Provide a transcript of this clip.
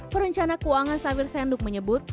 perencana keuangan safir senduk menyebut